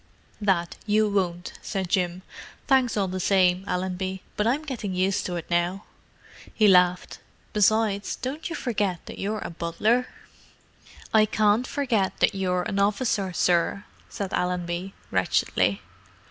"That you won't," said Jim. "Thanks all the same, Allenby, but I'm getting used to it now." He laughed. "Besides, don't you forget that you're a butler?" "I can't forget that you're an officer, sir," said Allenby, wretchedly.